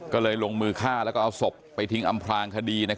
ก็เลยลงมือฆ่าแล้วก็เอาศพไปทิ้งอำพลางคดี